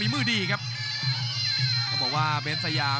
กรุงฝาพัดจินด้า